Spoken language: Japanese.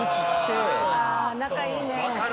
仲いいね。